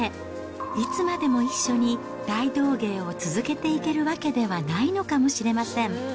いつまでも一緒に大道芸を続けていけるわけではないのかもしれません。